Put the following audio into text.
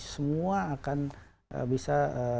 semua akan bisa